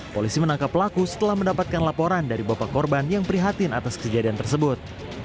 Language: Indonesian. polisi menangkap pelaku setelah mendapatkan laporan dari bapak korban yang prihatin atas kejadian tersebut